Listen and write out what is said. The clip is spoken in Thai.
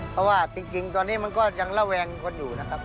เพราะว่าจริงตอนนี้มันก็ยังระแวงกันอยู่นะครับ